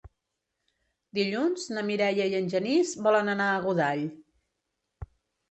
Dilluns na Mireia i en Genís volen anar a Godall.